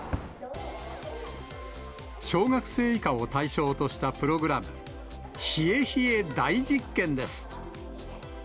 小学生以下を対象としたプログラム、冷え冷え大実験です。